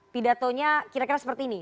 pidatonya kira kira seperti ini